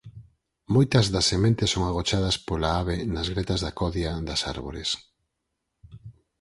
Moitas das sementes son agochadas pola ave nas gretas da codia das árbores.